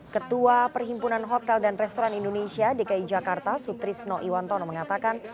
ketua perhimpunan hotel dan restoran indonesia dki jakarta sutrisno iwantono mengatakan